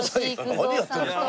何やってるんですか？